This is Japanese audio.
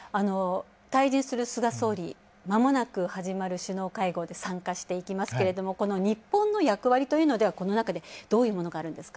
菅総理、まもなく始まる首脳会合で参加していきますけど、日本の役割というのはこの中でどういうものがあるんですか？